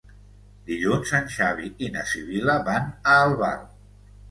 Dilluns en Xavi i na Sibil·la van a Albal.